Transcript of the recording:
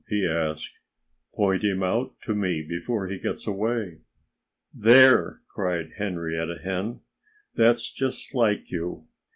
he asked. "Point him out to me before he gets away." "There!" cried Henrietta Hen. "That's just like you.